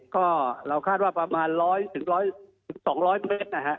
ก็เราคาดว่าประมาณ๑๐๐๒๐๐เมตรนะฮะ